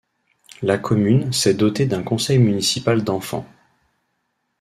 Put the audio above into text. La commune s'est dotée d'un conseil municipal d'enfants.